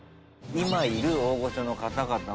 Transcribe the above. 今いる大御所の方々